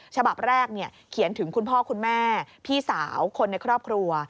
ฉบับแรกเขียนถึงคุณพ่อคุณแม่พี่สาวคนในครอบครัว